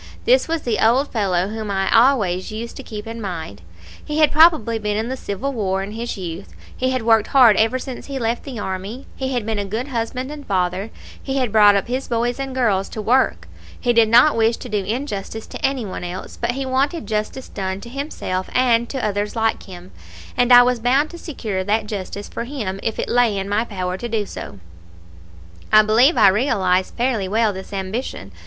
This was the old fellow whom I always used to keep in mind. He had probably been in the Civil War in his youth; he had worked hard ever since he left the army; he had been a good husband and father; he had brought up his boys and girls to work; he did not wish to do injustice to any one else, but he wanted justice done to himself and to others like him; and I was bound to secure that justice for him if it lay in my power to do so.[*] [*] I believe I realized fairly well this ambition.